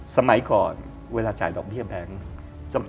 สมัยก่อนเวลาจ่ายดอกเบี้ยแพง